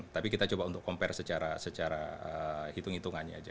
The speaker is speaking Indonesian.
tapi kita coba untuk compare secara hitung hitungannya aja